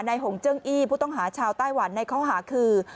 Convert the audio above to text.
หงเจิ้งอี้ผู้ต้องหาชาวไต้หวันในข้อหาคือ